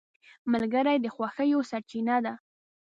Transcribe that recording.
ملګری د خوښیو سرچینه ده